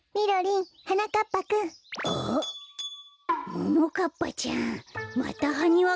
ももかっぱちゃんまたハニワかったの？